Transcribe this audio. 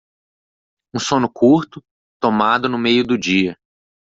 Um sono curto, tomado no meio do dia.